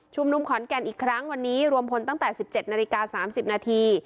นุมขอนแก่นอีกครั้งวันนี้รวมพลตั้งแต่๑๗นาฬิกา๓๐นาที